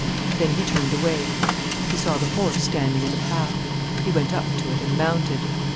Then he turned away. He saw the horse standing in the path. He went up to it and mounted.